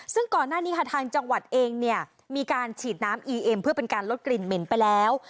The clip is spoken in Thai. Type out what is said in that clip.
ซึ่งก่อนหน้านี้ค่ะทางจังหวัดเองเนี่ยมีการฉีดน้ำอีเอ็มเพื่อเป็นการลดกลิ่นเหม็นไปแล้ว